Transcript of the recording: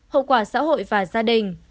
hậu quả xã hội và gia đình